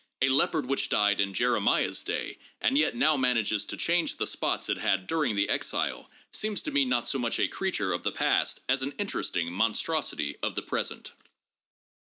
A leopard which died in Jeremiah's day and yet now manages to change the spots it had during the Exile, seems to me not so much a creature of the past as an interesting monstrosity of the present.